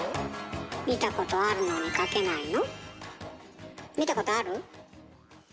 見たことあるのに描けないの？